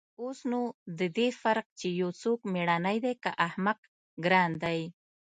اوس نو د دې فرق چې يو څوک مېړنى دى که احمق گران ديه.